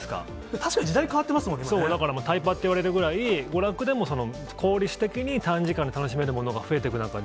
確かに時代変わってますもんだから、タイパっていわれるくらい、娯楽でも効率的に短時間で楽しめるものが増えていく中で。